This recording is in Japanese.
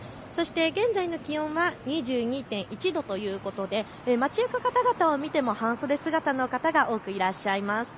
そして現在の気温は２２．１度ということで街行く方々を見ても半袖姿の方が多くいらっしゃいます。